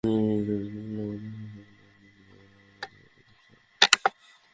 এভাবে তিনি কোমলমতি শিশুদের পৃথিবীতে নিরাপদে বেঁচে থাকার মানবাধিকার প্রতিষ্ঠা করেছেন।